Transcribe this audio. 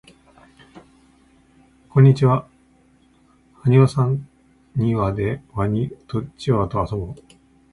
こんにちははにわさんにわでワニとチワワとあそぼう